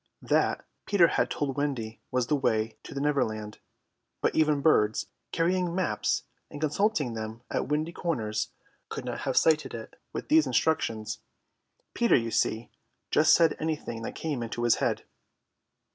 That, Peter had told Wendy, was the way to the Neverland; but even birds, carrying maps and consulting them at windy corners, could not have sighted it with these instructions. Peter, you see, just said anything that came into his head.